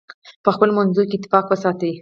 په خپلو منځونو کې اتفاق وساتئ.